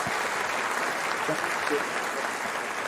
ڪوڻ ڪيرو ڪوئي ھي